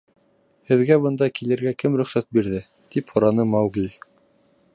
— Һеҙгә бында килергә кем рөхсәт бирҙе? — тип һораны Маугли.